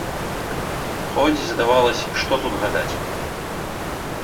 Хоць, здавалася б, што тут гадаць?